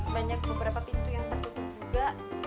banyak beberapa pintu yang tertutup juga